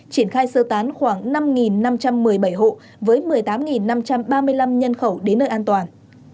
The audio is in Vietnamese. triển khai sơ tán khoảng năm năm trăm một mươi bảy hộ với một mươi tám năm trăm ba mươi năm nhân khẩu đến nơi an toàn